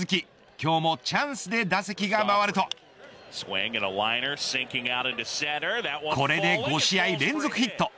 今日もチャンスで打席が回るとこれで５試合連続ヒット。